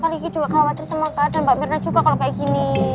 kalau ki juga khawatir sama mbak mirna juga kalau kayak gini